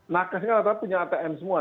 nakes kan ada punya atm semua